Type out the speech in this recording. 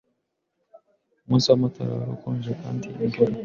Umunsi wamatora wari ukonje kandi imvura.